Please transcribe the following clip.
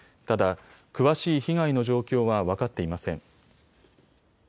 ただ、詳しい被害の状況は分かっていません。